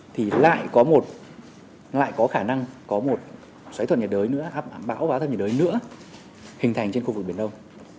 thì lại có một lại có khả năng có một xoáy thuận nhiệt đới nữa áp bão và áp thấp nhiệt đới nữa hình thành trên khu vực biển đông